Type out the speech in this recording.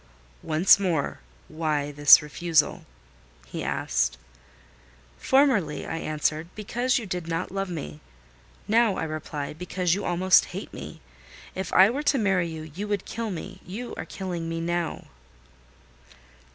"Once more, why this refusal?" he asked. "Formerly," I answered, "because you did not love me; now, I reply, because you almost hate me. If I were to marry you, you would kill me. You are killing me now."